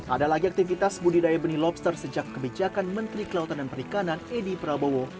ada lagi aktivitas budidaya benih lobster sejak kebijakan menteri kelautan dan perikanan edi prabowo